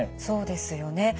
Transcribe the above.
そうですよね。